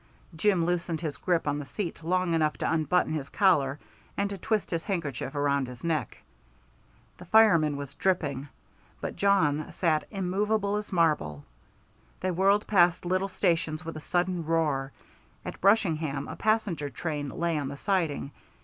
Jim loosened his grip on the seat long enough to unbutton his collar and to twist his handkerchief around his neck. The fireman was dripping, but Jawn sat immovable as marble. They whirled past little stations with a sudden roar. At Brushingham a passenger train lay on the siding.